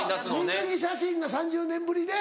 水着写真が３０年ぶりで。